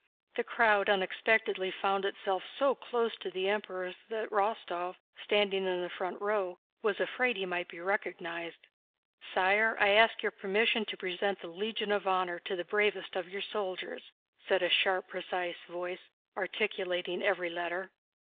The crowd unexpectedly found itself so close to the Emperors that Rostóv, standing in the front row, was afraid he might be recognized. "Sire, I ask your permission to present the Legion of Honor to the bravest of your soldiers," said a sharp, precise voice, articulating every letter.